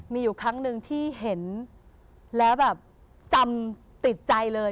มีอยู่ครั้งหนึ่งที่เห็นแล้วแบบจำติดใจเลย